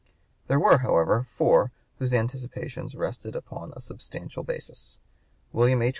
There were, however, four whose anticipations rested upon a substantial basis. William H.